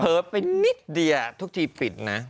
เพิบไปนิดดีทุกทีปิดนะ